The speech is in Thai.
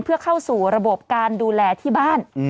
เพื่อเข้าสู่ระบบการดูแลที่บ้าน